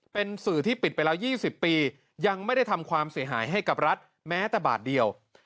เป็นสื่อที่ปิดไปแล้ว๒๐ปียังไม่ได้ทำความเสียหายให้กับรัฐแม้แต่บาทเดียว